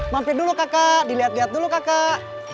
mampir dulu kakak dilihat lihat dulu kakak